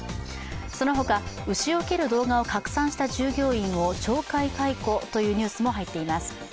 そのほか、牛を蹴る動画を拡散した従業員を、懲戒解雇というニュースも入っています。